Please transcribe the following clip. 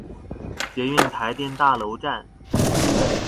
捷運臺電大樓站